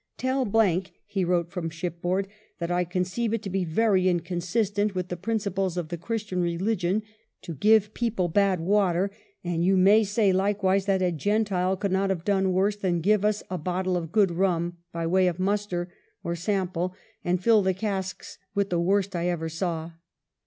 " Tell ," he wrote from shipboard, " that I conceive it to be very inconsistent with the principles of the Christian religion to give people bad water," and " you may say, likewise, that a Gentile could not have done worse than give us a bottle of good mm, by way of muster (or sample), and fill the casks with the worst I ever saw.